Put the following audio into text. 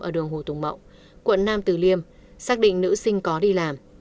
ở đường hồ tùng mậu quận nam tử liêm xác định nữ sinh có đi làm